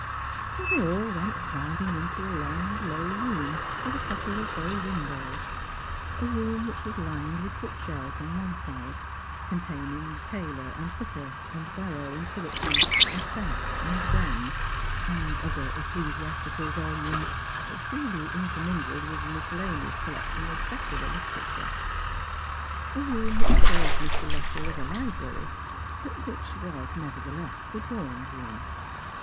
So they all went crowding into a long low room with a couple of bow windows, a room which was lined with bookshelves on one side, contain ing Taylor and Hooker, and Barrow and Tillotson, and South and Venn, and other ecclesiastical volumes, freely intermingled with a miscellaneous collection of secular literature; a room which served Mr. Luttrell as a library, but which was neverthe less the drawing room.